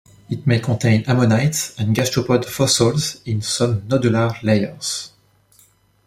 It may contain ammonite and gastropod fossils in some nodular layers.